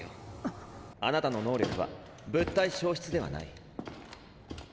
あなたの能力は物体消失ではない。